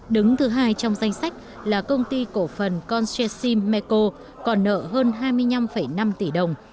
đứng thứ hai trong danh sách là công ty cổ phần concershim meko còn nợ hơn hai mươi năm năm tỷ đồng